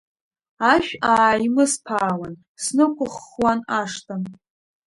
Ашә ааимысԥаауан, снықәыххуан ашҭа…